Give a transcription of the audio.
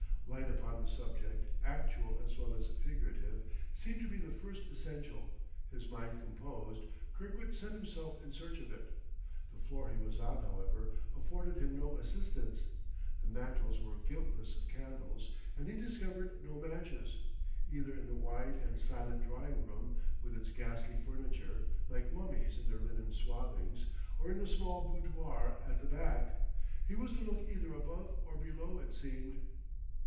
Light upon the subject, actual as well as figurative, seemed to be the first essential; his mind composed, Kirkwood set himself in search of it. The floor he was on, however, afforded him no assistance; the mantels were guiltless of candles and he discovered no matches, either in the wide and silent drawing room, with its ghastly furniture, like mummies in their linen swathings, or in the small boudoir at the back. He was to look either above or below, it seemed.